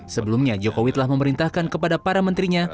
sebelumnya jokowi telah memerintahkan kepada para menterinya